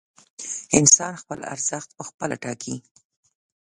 انسان خپل ارزښت پخپله ټاکي.